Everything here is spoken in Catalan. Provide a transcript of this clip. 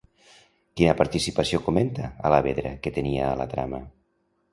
Quina participació comenta Alavedra que tenia a la trama?